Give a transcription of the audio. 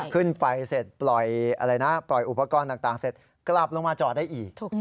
ขึ้นไปเสร็จปล่อยอุปกรณ์ต่างเสร็จกลับลงมาจอดได้อีก